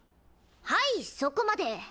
はいそこまで！